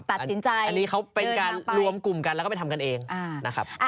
ตัดสินใจอันนี้เขาเป็นการรวมกลุ่มกันแล้วก็ไปทำกันเองนะครับ